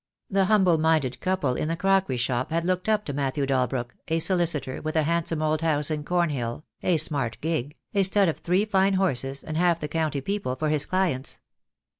The humble minded couple in the crockery shop had looked up to Matthew Dalbrook, solicitor, with a handsome old house in Cornhill, a smart gig, a stud of three fine horses, and half the county people for his clients.